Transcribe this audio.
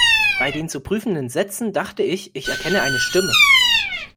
Bei den zu prüfenden Sätzen dachte ich, ich erkenne eine Stimme.